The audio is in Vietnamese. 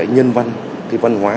nhân văn văn hóa